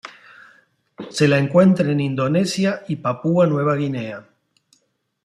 Se la encuentra en Indonesia y Papua Nueva Guinea.